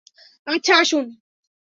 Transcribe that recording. আচ্ছা, আসুন।